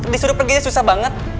disuruh pergi susah banget